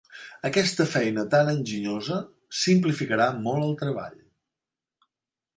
Aquesta feina tan enginyosa simplificarà molt el treball.